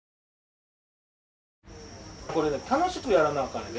これね楽しくやらなあかんで。